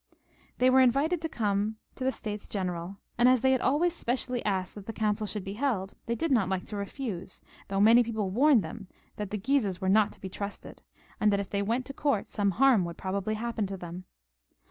They were invited to come to the States Gteneral, and as they had always specially asked that the council should be held, they did not like to refuse, though many people warned them that the Guises were not to be trusted, and that if they went to court some harm would probably happen to them.